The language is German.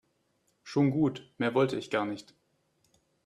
Schon gut, mehr wollte ich gar nicht.